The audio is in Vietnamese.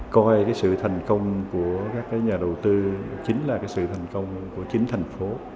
coi sự thành công của các nhà đầu tư chính là sự thành công của chính thành phố